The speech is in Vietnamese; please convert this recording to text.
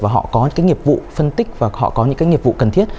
và họ có những cái nghiệp vụ phân tích và họ có những cái nghiệp vụ cần thiết